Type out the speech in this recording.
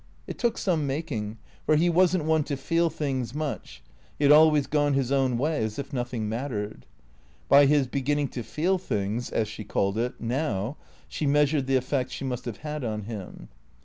It took some making ; for he was n't one to feel things much ; he had always gone his own way as if nothing mattered. By his beginning to feel things (as she called it) now, she meas ured the effect she must have had on him.